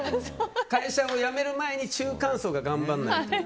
会社を辞める前に中間層が頑張らないと。